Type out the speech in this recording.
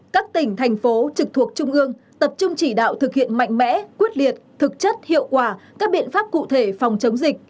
các tỉnh thành phố trực thuộc trung ương tập trung chỉ đạo thực hiện mạnh mẽ quyết liệt thực chất hiệu quả các biện pháp cụ thể phòng chống dịch